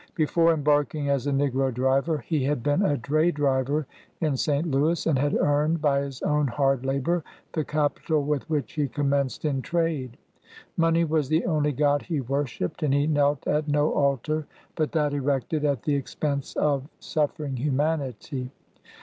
Before embarking as a negro driver, he had been a dray driver in St. Louis, and had earned, by his own hard labor, the capital with which he commenced in trade. Money was the only God he worshipped, and he knelt at no altar but that erected at the expense of suffering humanity.